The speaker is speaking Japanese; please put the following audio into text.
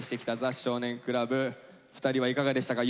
２人はいかがでしたか？